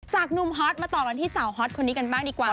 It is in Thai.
หนุ่มฮอตมาต่อกันที่สาวฮอตคนนี้กันบ้างดีกว่า